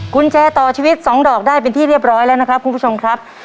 กุญแจต่อชีวิต๒ดอกได้เป็นที่เรียบร้อยแล้วนะครับคุณผู้ชมครับ